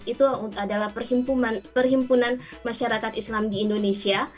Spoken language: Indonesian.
itu adalah perhimpunan masyarakat islam di indonesia